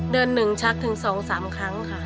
เดินหนึ่งชักถึงสองสามครั้งค่ะ